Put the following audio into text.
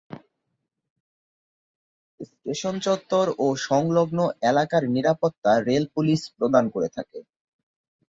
Station চত্বর ও সংলগ্ন এলাকার নিরাপত্তা রেল পুলিশ প্রদান করে থাকে।